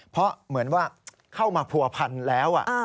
เพราะเหมือนว่าเข้ามาผัวพันแล้ว